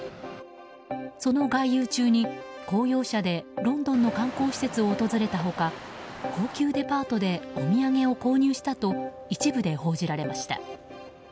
その外遊中に公用車でロンドンの観光施設を訪れた他高級デパートでお土産を購入したと一部で報じられました。